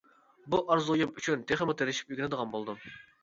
بۇ ئارزۇيۇم ئۈچۈن تېخىمۇ تىرىشىپ ئۆگىنىدىغان بولدۇم.